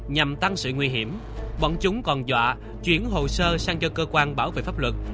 nhằm tăng sự nguy hiểm bọn chúng còn dọa chuyển hồ sơ sang cho cơ quan bảo vệ pháp luật